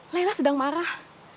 layla sedang marah